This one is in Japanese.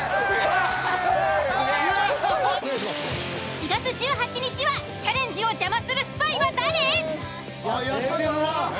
４月１８日はチャレンジを邪魔するスパイは誰？